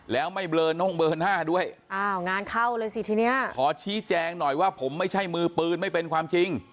แล้วไม่เบลอนงเบลอหน้าด้วยอ้าวงานเข้าเลยสิทีนี้ขอชี้แจงหน่อยว่าผมไม่ใช่มือปืนไม่เป็นความจริง